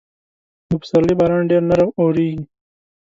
د پسرلي باران ډېر نرم اورېږي.